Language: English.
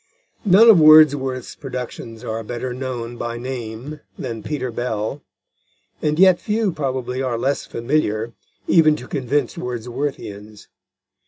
None of Wordsworth's productions are better known by name than Peter Bell, and yet few, probably, are less familiar, even to convinced Wordsworthians.